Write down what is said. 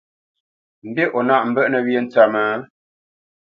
Mbî o nâʼ mbə́ʼnə̄ wyê ntsə́mə́?